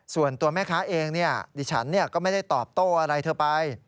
ส่วนตัวแม่ค้าเองดิฉันก็ไม่ได้ตอบโต้อะไรเธอไป